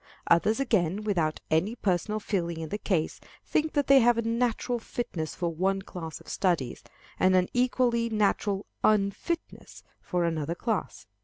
Others again, without any personal feeling in the case, think that they have a natural fitness for one class of studies, and an equally natural un fitness for another class.